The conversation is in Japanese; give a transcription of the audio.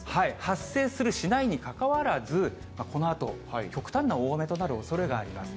発生する、しないにかかわらず、このあと、極端な大雨となるおそれがあります。